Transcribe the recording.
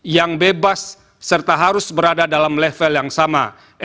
yang bebas serta harus berada dalam level yang sama